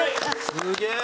すげえ！